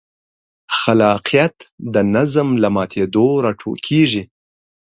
خلاقیت د نظم له ماتېدو راټوکېږي.